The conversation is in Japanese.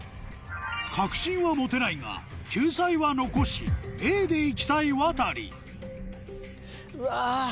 確信は持てないが救済は残しＡで行きたい亘うわ。